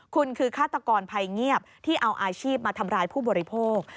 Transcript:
คุณคือฆาตกรภัยเงียบที่เอาอาชีพมาทำร้ายผู้บริโภค